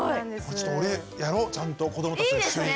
ちょっと俺やろちゃんと子どもたちと一緒に。